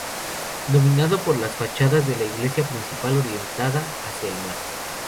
Dominado por las Fachadas de la Iglesia Principal orientada hacia el mar.